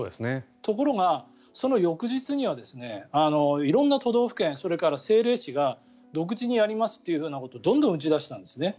ところが、その翌日には色んな都道府県それから政令市が独自にやりますっていうことをどんどん打ち出したんですね。